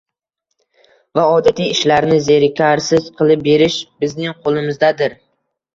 va odatiy ishlarini zerikarsiz qilib berish bizning qo‘limizdadir.